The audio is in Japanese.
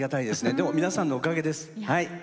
でも皆さんのおかげです。